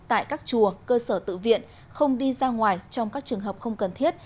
tại các chùa cơ sở tự viện không đi ra ngoài trong các trường hợp không cần thiết